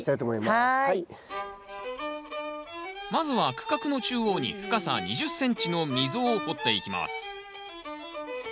まずは区画の中央に深さ２０ｃｍの溝を掘っていきます